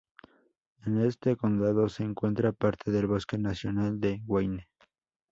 En este condado se encuentra parte del bosque nacional de "Wayne".